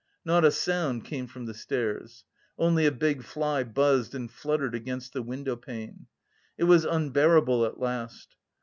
Not a sound came from the stairs. Only a big fly buzzed and fluttered against the window pane. It was unbearable at last.